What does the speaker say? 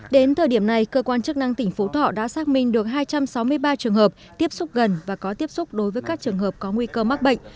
đến thời điểm này cơ quan chức năng tỉnh phú thọ đã xác minh được hai trăm sáu mươi ba trường hợp tiếp xúc gần và có tiếp xúc đối với các trường hợp có nguy cơ mắc bệnh